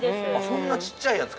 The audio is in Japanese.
そんな小っちゃいやつ。